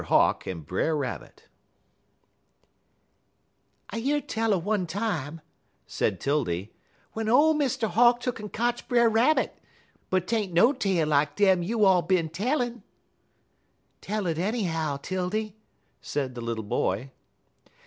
HAWK AND BRER RABBIT "I year tell er one time," said 'Tildy, "w'en ole Mr. Hawk tuck'n kotch Brer Rabbit, but 't ain't no tale like dem you all bin tellin'." "Tell it, anyhow, 'Tildy," said the little boy.